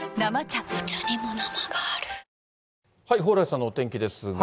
蓬莱さんのお天気ですが。